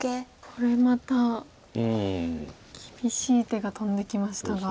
これまた厳しい手が飛んできましたが。